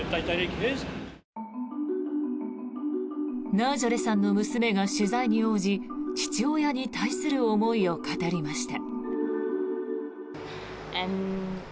ナージョレさんの娘が取材に応じ父親に対する思いを語りました。